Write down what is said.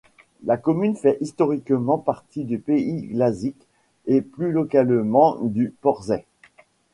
La commune fait historiquement partie du pays Glazik, et plus localement du Porzay.